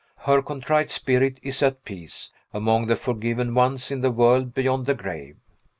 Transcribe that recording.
Her contrite spirit is at peace, among the forgiven ones in the world beyond the grave.